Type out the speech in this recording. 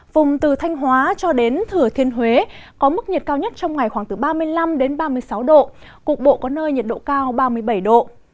vùng từ thanh hóa cho đến thừa thiên huế có mức nhiệt cao nhất trong ngày khoảng từ ba mươi năm ba mươi sáu độ cục bộ có nơi nhiệt độ cao ba mươi bảy độ